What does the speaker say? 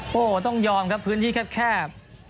โอ้โหต้องยอมครับพื้นที่แคบ